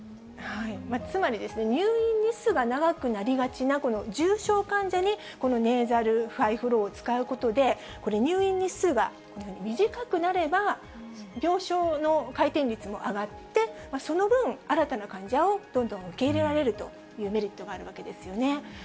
つまりですね、入院日数が長くなりがちな、この重症患者にこのネーザルハイフローを使うことで、入院日数が短くなれば、病床の回転率も上がって、その分、新たな患者をどんどん受け入れられるというメリットがあるわけですよね。